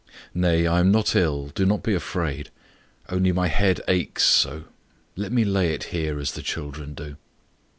"Nay, I am not ill, do not be afraid. Only my head aches so let me lay it here as the children do."